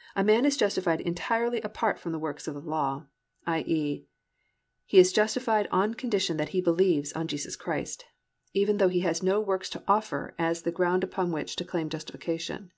"+ A man is justified entirely apart from works of the law, i.e., he is justified on condition that he believes on Jesus Christ, even though he has no works to offer as the ground upon which to claim justification.